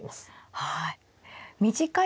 はい。